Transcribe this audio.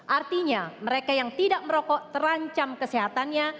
artinya mereka yang tidak merokok terancam kesehatannya